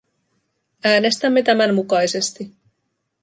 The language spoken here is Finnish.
Äänestämme tämän mukaisesti.